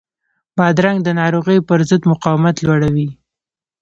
بادرنګ د ناروغیو پر ضد مقاومت لوړوي.